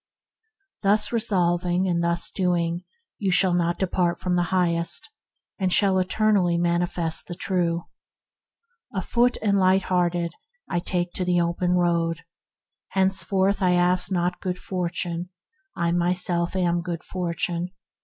Thus resolving, and thus doing, you shall remain in the Highest, and shall eternally manifest the True. "Afoot and lighthearted, I take to the open road. Henceforth I ask not good fortune: I myself am good fortune.